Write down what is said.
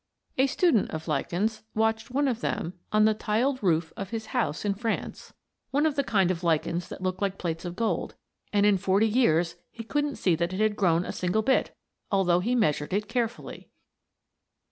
A student of lichens watched one of them on the tiled roof of his house in France one of the kind of lichens that look like plates of gold and in forty years he couldn't see that it had grown a single bit, although he measured it carefully.